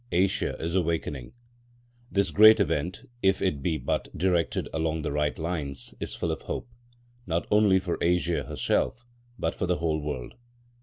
Asia is awakening. This great event, if it be but directed along the right lines, is full of hope, not only for Asia herself, but for the whole world.